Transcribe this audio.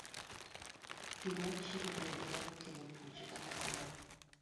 Pi mochido bende nyalo kelo tuoche kaka kolera.